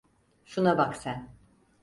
Şuna bak sen.